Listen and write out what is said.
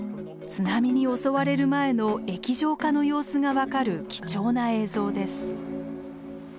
津波に襲われる前の液状化の様子が分かる貴重な映像です。